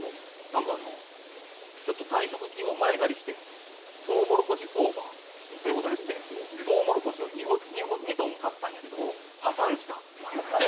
なんかあの「ちょっと退職金を前借りしてトウモロコシ相場に手を出してトウモロコシを２トン買ったんやけど破産した」って言って。